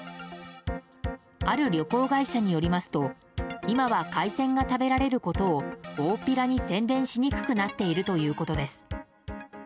ある旅行会社によりますと今は海鮮が食べられることを大っぴらに宣伝しにくくなっているということです。